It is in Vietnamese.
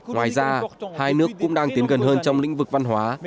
ngoài ra hai nước cũng đang tiến gần hơn trong lĩnh vực văn hóa